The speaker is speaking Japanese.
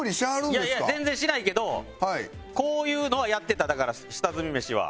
いやいや全然しないけどこういうのはやってただから下積みメシは。